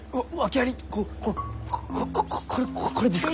こここれこれですか？